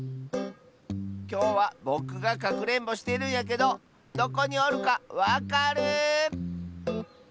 きょうはぼくがかくれんぼしてるんやけどどこにおるかわかる？